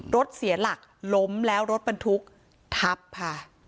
รถเสียหลักล้มแล้วรถบรรทุกทับค่ะ